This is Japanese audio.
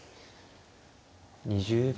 ２０秒。